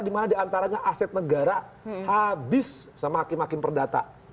dimana diantaranya aset negara habis sama hakim hakim perdata